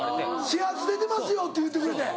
「始発出てますよ」って言ってくれて。